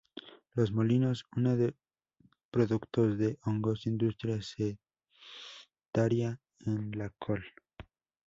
Los Molinos; una de Productos de Hongos "Industria Setaria" en la Col.